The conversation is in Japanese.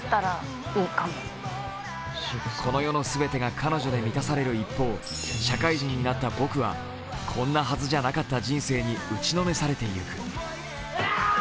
この世の全てが彼女で満たされる一方社会人になった僕はこんなはずじゃなかった人生に打ちのめされていく。